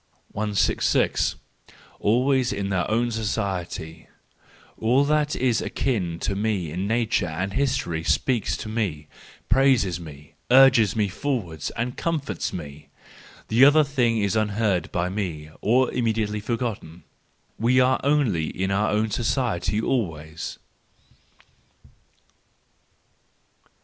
166. Always in our own Society. —All that is akin to me in nature and history speaks to me, praises me, urges me forward and comforts me—: other things are unheard by me, or immediately forgotten. We are only in our own society always.